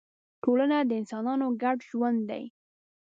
ټولنه د انسانانو ګډ ژوند دی.